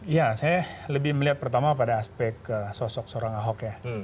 ya saya lebih melihat pertama pada aspek sosok seorang ahok ya